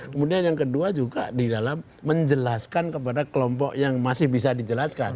kemudian yang kedua juga di dalam menjelaskan kepada kelompok yang masih bisa dijelaskan